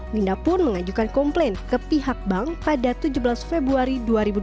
minda pun mengajukan komplain ke pihak bank pada tujuh belas februari dua ribu dua puluh